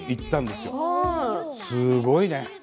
すごいね。